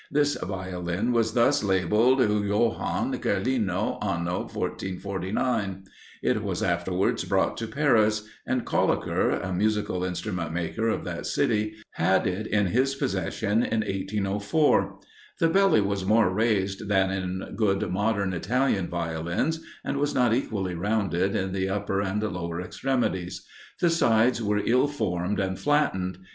This Violin was thus labelled, "Joann. Kerlino, anno 1449." It was afterwards brought to Paris, and Koliker, a musical instrument maker of that city, had it in his possession in 1804. The belly was more raised than in good modern Italian Violins, and was not equally rounded at the upper and lower extremities; the sides were ill formed and flattened.